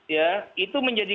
ya itu menjadi